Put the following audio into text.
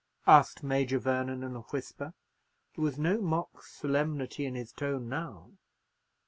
asked Major Vernon, in a whisper. There was no mock solemnity in his tone now.